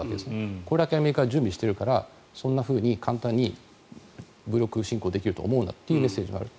これだけアメリカは準備しているからそんなふうに簡単に武力進攻できると思うなというメッセージがある。